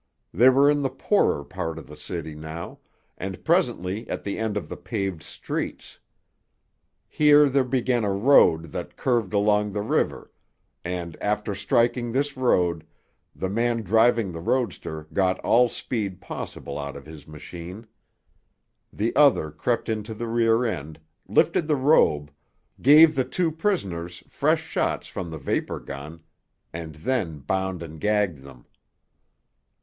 They were in the poorer part of the city now, and presently at the end of the paved streets. Here there began a road that curved along the river, and, after striking this road, the man driving the roadster got all speed possible out of his machine. The other crept into the rear end, lifted the robe, gave the two prisoners fresh shots from the vapor gun, and then bound and gagged them.